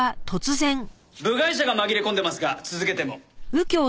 部外者が紛れ込んでますが続けても？